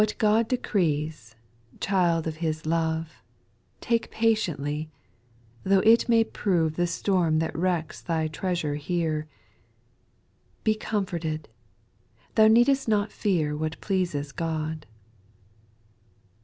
TIT HAT God decrees, child of His love, I T Take patiently, tho' it may prove The storm that wrecks thy treasure here ; Be comforted ! thou need'st not fear What pleases God.